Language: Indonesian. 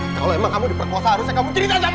kalau emang kamu diperkuasa harusnya kamu cerita sama aku